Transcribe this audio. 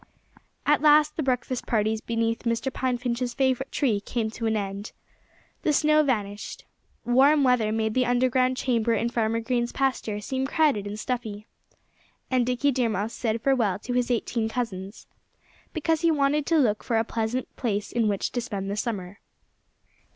At last the breakfast parties beneath Mr. Pine Finch's favorite tree came to an end. The snow vanished. Warm weather made the underground chamber in Farmer Green's pasture seem crowded and stuffy. And Dickie Deer Mouse said farewell to his eighteen cousins, because he wanted to look for a pleasant place in which to spend the summer.